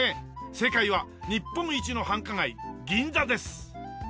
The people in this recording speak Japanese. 正解は日本一の繁華街銀座です。